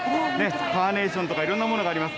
カーネーションとかいろんなものがあります。